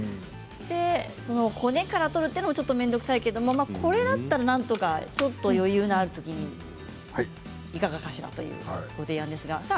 骨から取るのも面倒くさいけどこれだったらなんとかちょっと余裕があるときにいかがかしらというご提案ですが。